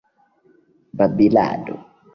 babilado